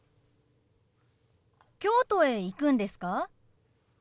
京都へ行くんですか？